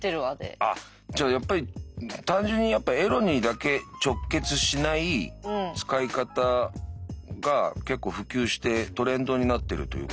じゃあやっぱり単純にやっぱエロにだけ直結しない使い方が結構普及してトレンドになってるということなのかな？